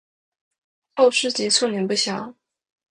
后事及卒年不详。